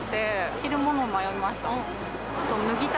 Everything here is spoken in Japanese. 着るもの迷いました。